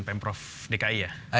pm prof dki ya